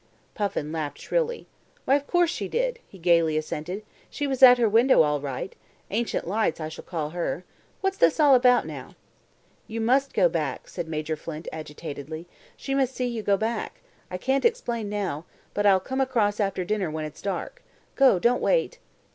Puffin laughed shrilly. "Why, of course she did," he gaily assented. "She was at her window all right. Ancient Lights, I shall call her. What's this all about now?" "You must go back," said Major Flint agitatedly. "She must see you go back. I can't explain now. But I'll come across after dinner when it's dark. Go; don't wait."